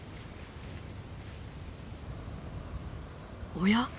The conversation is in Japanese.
おや。